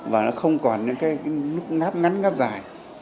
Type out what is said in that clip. và nó không còn những cái ngáp ngắn ngáp giảm